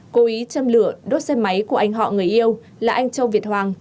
cố ý châm lửa đốt xe máy của anh họ người yêu là anh châu việt hoàng